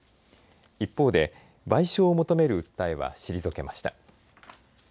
一方で賠償を求める訴えは退けました。